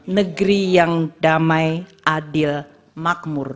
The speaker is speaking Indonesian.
negeri yang damai adil makmur